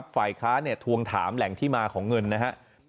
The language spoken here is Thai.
ฝ่ายค้าทวงถามแหล่งที่มาของเงินนะครับ